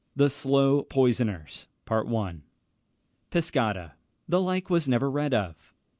] THE SLOW POISONERS. Pescara. The like was never read of.